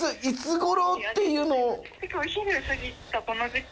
いつごろっていうの。